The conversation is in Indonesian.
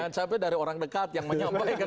jangan sampai dari orang dekat yang menyampaikan